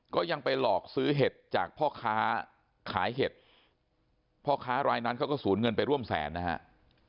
ก็ยังไปหลอกซื้อเห็ดจากพ่อค้าขายเห็ดพ่อค้ารายนั้นเขาก็สูญเงินไปร่วมแสนนะฮะ